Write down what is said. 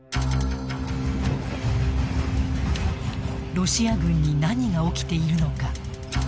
ロシア軍に何が起きているのか。